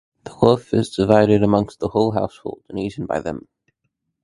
The loaf is divided amongst the whole household and eaten by them.